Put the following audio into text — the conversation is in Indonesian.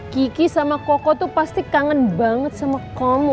kiki sama koko itu pasti kangen banget sama kamu